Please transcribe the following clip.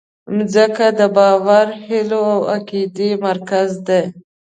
مځکه د باور، هیلو او عقیدې مرکز ده.